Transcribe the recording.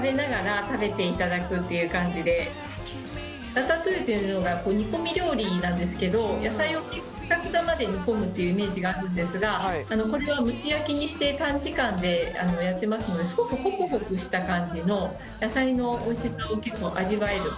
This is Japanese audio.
ラタトゥイユっていうのが煮込み料理なんですけど野菜をクタクタまで煮込むっていうイメージがあるんですがこれは蒸し焼きにして短時間でやってますのですごくホクホクした感じの野菜のおいしさを結構味わえる。